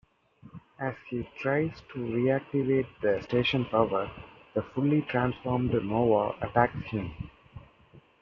As he tries to reactivate the station power, the fully transformed Noah attacks him.